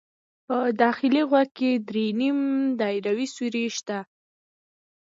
په داخلي غوږ کې درې نیم دایروي سوري شته.